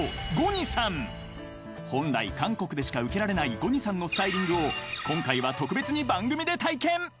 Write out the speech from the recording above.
［本来韓国でしか受けられないゴニさんのスタイリングを今回は特別に番組で体験］